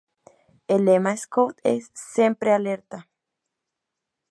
El lema scout es "Sempre Alerta!".